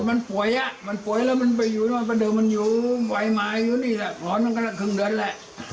มันป่วยอ่ะมันป่วยแล้วมันไปอยู่นู่นประเดิมมันอยู่ไหวมาอยู่นี่แหละหอนมันก็ครึ่งเดือนแหละ